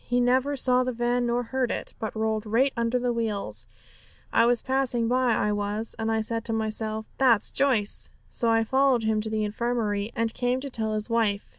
He never saw the van nor heard it, but rolled right under the wheels. I was passing by, I was, and I said to myself, "That's Joyce." So I followed him to the infirmary, and came to tell his wife.